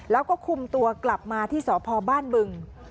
แล้วก็คุมตัวกลับมาที่สพบ้านบึง